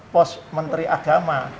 pos menteri agama